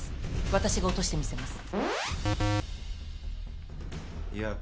「私が落としてみせます」